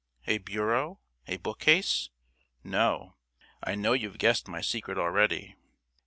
A bureau? A bookcase? No, I know you've guessed my secret already.